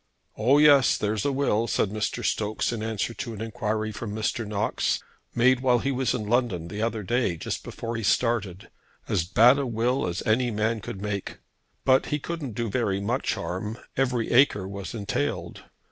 "Oh, yes; there's a will," said Mr. Stokes in answer to an enquiry from Mr. Knox, "made while he was in London the other day, just before he started, as bad a will as a man could make; but he couldn't do very much harm. Every acre was entailed."